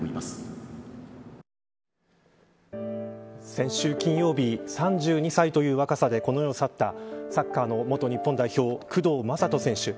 先週金曜日、３２歳という若さでこの世を去ったサッカーの元日本代表工藤壮人選手。